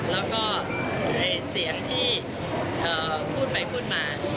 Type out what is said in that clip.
แล้วก็เสียงที่พูดไปพูดมา